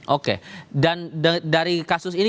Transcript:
oke dan dari kasus ini